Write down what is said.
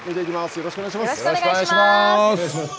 よろしくお願いします。